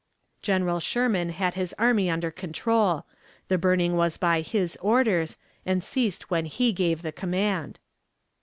General Sherman had his army under control. The burning was by his orders, and ceased when he gave the command.